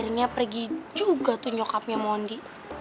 lagi juga tuh nyokapnya mondi